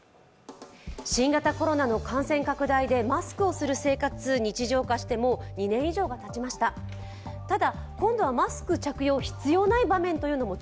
新型コロナの感染拡大でマスクをする生活日常化して、もう２年以上がたちました。